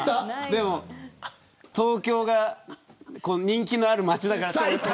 でも、東京が人気のある街だからって。